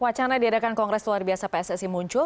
wacana diadakan kongres luar biasa pssi muncul